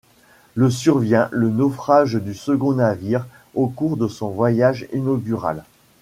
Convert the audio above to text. Le survient le naufrage du second navire au cours de son voyage inaugural.